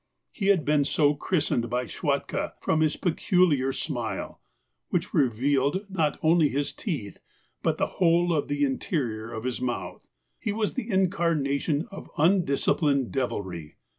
He had been so christened by Schwatka, from his peculiar smile, which revealed not only his teeth, but the whole of the interior of his mouth. He was the incarnation of undisciplined devilry.